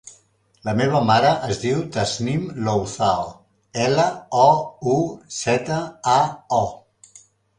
La meva mare es diu Tasnim Louzao: ela, o, u, zeta, a, o.